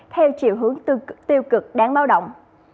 theo chiều hướng tiêu cực đáng báo động